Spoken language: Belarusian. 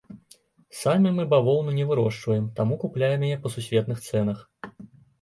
Самі мы бавоўну не вырошчваем, таму купляем яе па сусветных цэнах.